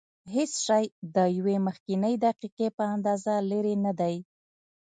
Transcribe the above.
هېڅ شی د یوې مخکنۍ دقیقې په اندازه لرې نه دی.